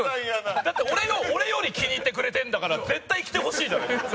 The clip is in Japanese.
だって俺のを俺より気に入ってくれてるんだから絶対着てほしいじゃないですか。